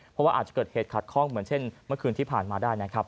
เพราะว่าอาจจะเกิดเหตุขัดข้องเหมือนเช่นเมื่อคืนที่ผ่านมาได้นะครับ